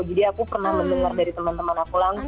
jadi aku pernah mendengar dari teman teman aku langsung